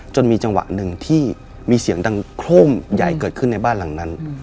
มีจังหวะหนึ่งที่มีเสียงดังโครมใหญ่เกิดขึ้นในบ้านหลังนั้น